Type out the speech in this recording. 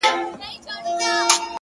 • د دنیا وروستۍ شېبې وروستی ساعت دی ,